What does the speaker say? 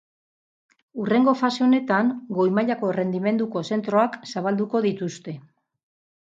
Hurrengo fase honetan goi mailako errendimenduko zentroak zabalduko dituzte.